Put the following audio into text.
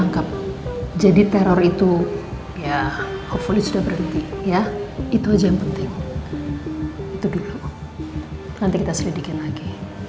nanti kita selidikin lagi